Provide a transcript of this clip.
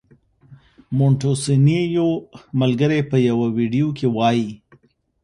مونټیسینویو ملګری په یوه ویډیو کې وايي.